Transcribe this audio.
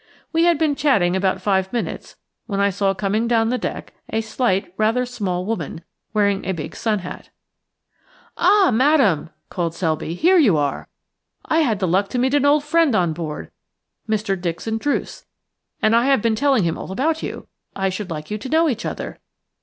We had been chatting about five minutes when I saw coming down the deck a slight, rather small woman, wearing a big sun hat. "Ah, Madame," cried Selby, "here you are. I had the luck to meet an old friend on board – Mr. Dixon Druce – and I have been telling him all about you. I should like you to know each other.